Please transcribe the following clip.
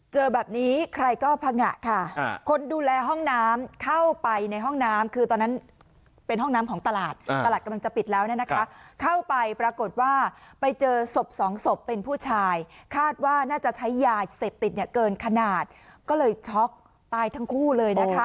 เจอแบบนี้ใครก็พังงะค่ะคนดูแลห้องน้ำเข้าไปในห้องน้ำคือตอนนั้นเป็นห้องน้ำของตลาดตลาดกำลังจะปิดแล้วเนี่ยนะคะเข้าไปปรากฏว่าไปเจอศพสองศพเป็นผู้ชายคาดว่าน่าจะใช้ยาเสพติดเนี่ยเกินขนาดก็เลยช็อกตายทั้งคู่เลยนะคะ